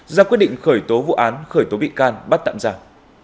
ra quyết định khởi tố vụ án khởi tố bị can bắt tạm giả